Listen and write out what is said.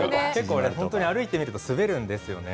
歩いていると滑るんです。